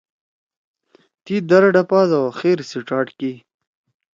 تی در ڈپھات او خیر سی چاٹ کی۔